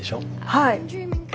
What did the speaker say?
はい。